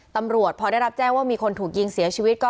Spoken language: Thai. ตำรวจพอได้รับแจ้งว่ามีคนถูกยิงเสียชีวิต